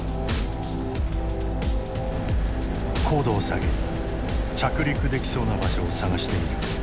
高度を下げ着陸できそうな場所を探してみる。